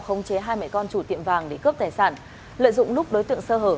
khống chế hai mẹ con chủ tiệm vàng để cướp tài sản lợi dụng lúc đối tượng sơ hở